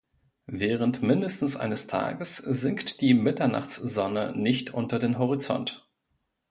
Während mindestens eines Tages sinkt die Mitternachtssonne nicht unter den Horizont.